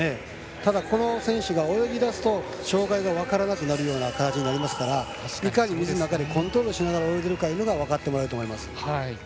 ただ、この選手が泳ぎだすと障がいが分からなくなるような形になりますからいかに水の中でコントロールしているかを分かってもらえると思います。